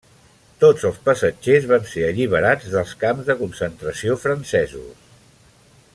Tots els passatgers van ser alliberats dels camps de concentració francesos.